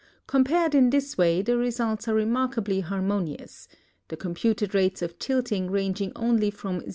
Compared in this way, the results are remarkal)ly harmonious, the computed rates of tilting ranging only from 0.